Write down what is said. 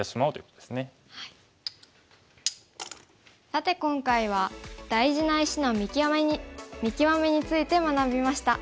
さて今回は大事な石の見極めについて学びました。